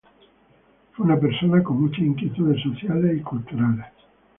Fue una persona con muchas inquietudes sociales y culturales.